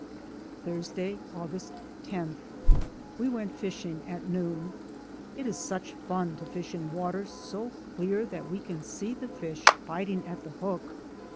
Thursday, August lo. We went fishing at noon. It is such fun to fish in water so clear that we can see the fish biting at the hook.